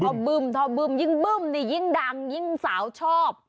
พอบึ้มทอบึ้มยิ่งบึ้มนี่ยิ่งดังยิ่งสาวชอบ